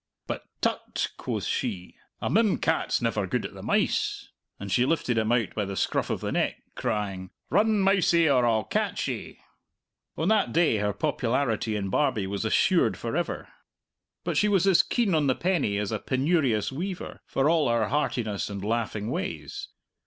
But "Tut!" quoth she; "a mim cat's never gude at the mice," and she lifted him out by the scruff of his neck, crying, "Run, mousie, or I'll catch ye!" On that day her popularity in Barbie was assured for ever. But she was as keen on the penny as a penurious weaver, for all her heartiness and laughing ways.